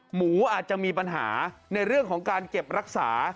หมูอาจจะมีปัญหาในเรื่องของการเก็บรักษา